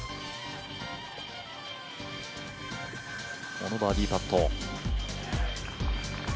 このバーディーパット。